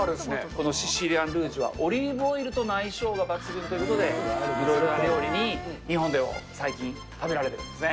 このシシリアンルージュはオリーブオイルとの相性が抜群ということで、いろいろな料理に日本では最近、食べられるんですね。